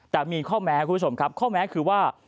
แต่มีข้อแม้คุณผู้ชมครับข้อแม้คือว่า